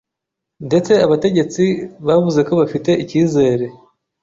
ndetse abategetsi bavuze ko bafite icyizere